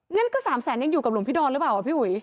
งั้นก็๓แสนยังอยู่กับหลวงพี่ดอนหรือเปล่าพี่อุ๋ย